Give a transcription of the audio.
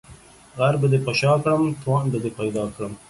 غر به دي په شاکړم ، توان به دي پيدا کړم.